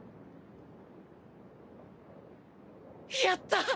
やった！